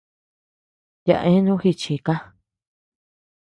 Yaʼa eanu jichikaa.